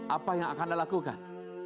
apa yang akan anda lakukan